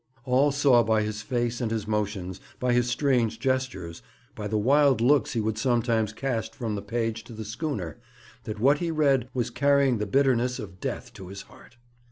All saw by his face and his motions, by his strange gestures, by the wild looks he would sometimes cast from the page to the schooner, that what he read was carrying the bitterness of death to his heart.